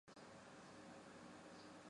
蒙特内哥罗公国的首都位于采蒂涅。